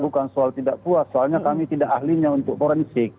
bukan soal tidak puas soalnya kami tidak ahlinya untuk forensik